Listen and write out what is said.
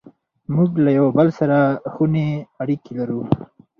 موږ له یو بل سره خوني اړیکې لرو.